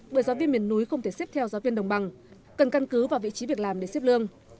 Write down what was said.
bởi giáo viên miền núi không thể xếp theo giáo viên đồng bằng cần căn cứ vào vị trí việc làm để xếp lương